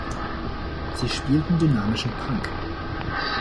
Sie spielten dynamischen Punk.